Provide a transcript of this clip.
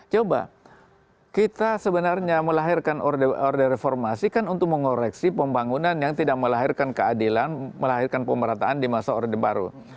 coba kita sebenarnya melahirkan orde reformasi kan untuk mengoreksi pembangunan yang tidak melahirkan keadilan melahirkan pemerataan di masa orde baru